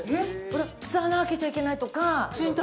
普通穴開けちゃいけないとか。